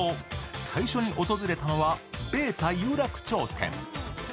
最初に訪れたのはｂ８ｔａ有楽町店。